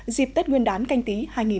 dịp tết nguyên đán canh tí hai nghìn hai mươi